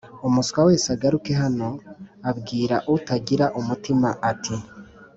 “umuswa wese agaruke hano” abwira utagira umutima ati